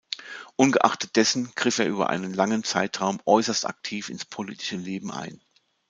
Ungeachtet dessen griff er über einen langen Zeitraum äußerst aktiv ins politische Leben ein.